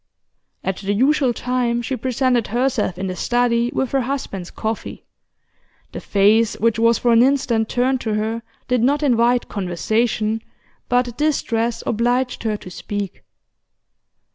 At the usual time she presented herself in the study with her husband's coffee; the face which was for an instant turned to her did not invite conversation, but distress obliged her to speak.